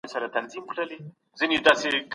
لمر روښانه دئ.